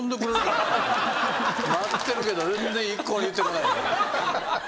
待ってるけど全然一向に言ってこない。